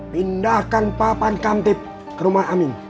pindahkan papan kamtip ke rumah amin